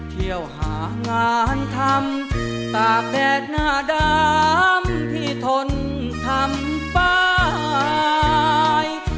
เที่ยวหางานทำตากแดดหน้าดำที่ทนทำไป